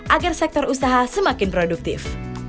agar sektor usaha semakin produktif